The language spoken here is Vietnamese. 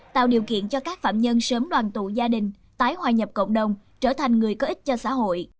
tạo điều kiện cho các phạm nhân sớm đoàn tụ gia đình tái hòa nhập cộng đồng trở thành người có ích cho xã hội